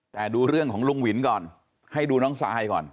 แต่ดูเรื่องของลุงหวินก่อนให้ดูน้องซายก่อน